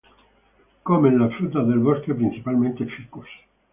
Comen las frutas del bosque, principalmente "Ficus".